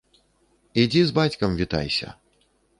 Ідзі з бацькам вітайся.